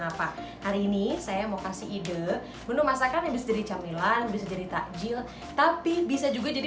apa hari ini saya mau kasih ide menu masakan yang bisa jadi camilan bisa jadi takjil tapi bisa juga jadi